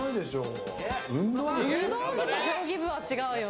運動部と将棋部は違うよ。